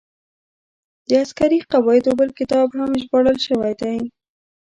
د عسکري قواعدو بل کتاب هم ژباړل شوی دی.